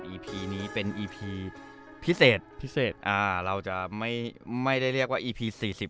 พีนี้เป็นอีพีพิเศษพิเศษอ่าเราจะไม่ไม่ได้เรียกว่าอีพี๔๐